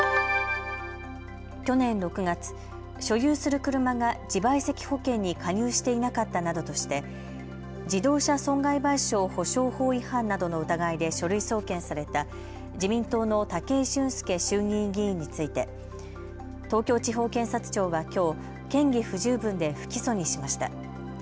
去年６月、所有する車が自賠責保険に加入していなかったなどとして自動車損害賠償保障法違反などの疑いで書類送検された自民党の武井俊輔衆議院議員について東京地方検察庁はきょう、嫌疑不十分で不起訴にしました。